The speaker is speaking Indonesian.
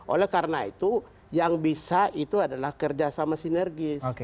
oleh karena itu yang bisa itu adalah kerjasama sinergis